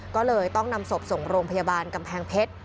ก็เลยต้องนำศพส่งโรงพยาบาลกำแพงเพชร